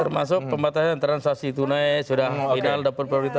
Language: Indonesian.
termasuk pembatasan transaksi tunai sudah final dapat prioritas